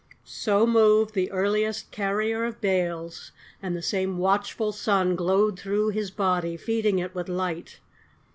So moved the earliest carrier of bales, And the same watchful sun Glowed through his body feeding it with light.